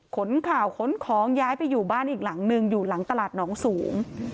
ขนข่าวขนของย้ายไปอยู่บ้านอีกหลังนึงอยู่หลังตลาดหนองสูง